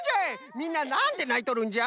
みんななんでないとるんじゃ？